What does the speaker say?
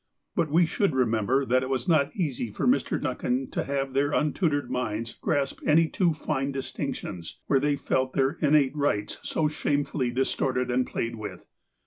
But we should remember that it was not easy for Mr. Duncan to have their untutored minds grasp any too fine distinctions, where they felt their innate rights so shame fully distorted and played with.